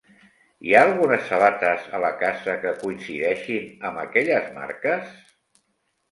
Hi ha algunes sabates a la casa que coincideixin amb aquelles marques?